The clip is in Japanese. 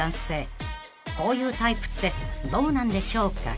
［こういうタイプってどうなんでしょうか］